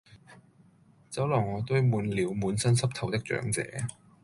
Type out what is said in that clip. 酒樓外堆滿了滿身濕透的長者